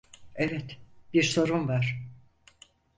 Evet, bir sorun var.